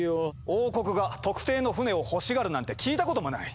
王国が特定の船を欲しがるなんて聞いたこともない。